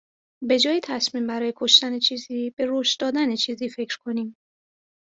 به جای تصمیم برای کشتن چیزی به رشد دادن چیزی فکر کنیم